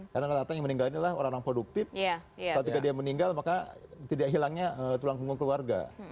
karena yang meninggal ini adalah orang orang produktif kalau dia meninggal maka tidak hilangnya tulang punggung keluarga